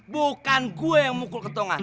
bukan gue yang mukul ketongan